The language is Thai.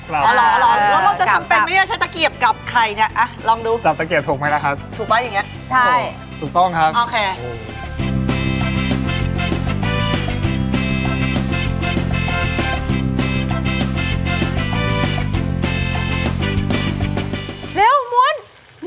แล้วเราจะทำเป็นมั้ยใช้ตะเกียบกับไข่เนี่ย